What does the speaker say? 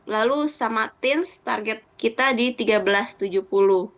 lalu sama tins target kita di tiga belas tujuh puluh